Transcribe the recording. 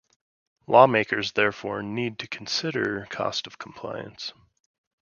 Lawmakers therefore need to consider cost of compliance.